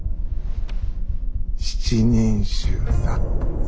７人衆だ。